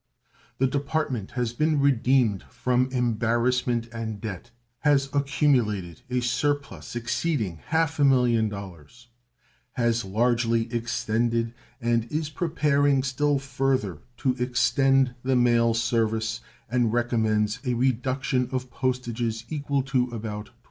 The Department has been redeemed from embarrassment and debt, has accumulated a surplus exceeding half a million dollars, has largely extended and is preparing still further to extend the mail service, and recommends a reduction of postages equal to about 20%.